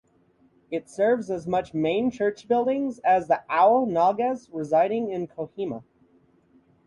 It serves as the main church building of the Ao Nagas residing in Kohima.